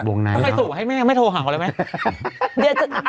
วงในไปส่งให้แม่ไม่โทรหาเขาเลยไหม